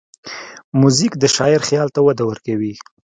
موزیک د شاعر خیال ته وده ورکوي.